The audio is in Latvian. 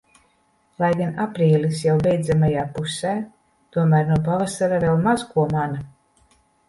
Lai gan aprīlis jau beidzamajā pusē, tomēr no pavasara vēl maz ko mana.